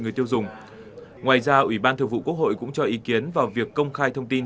người tiêu dùng ngoài ra ủy ban thường vụ quốc hội cũng cho ý kiến vào việc công khai thông tin